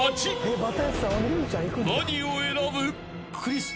［何を選ぶ？］